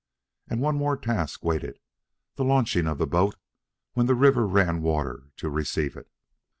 And one more task waited, the launching of the boat when the river ran water to receive it.